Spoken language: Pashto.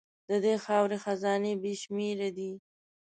د دې خاورې خزانې بې شمېره دي.